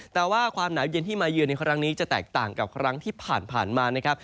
แต่ว่าความหนาวเย็นที่มาเยือนในครั้งนี้จะแตกต่างกับครั้งที่ผ่านมานะครับ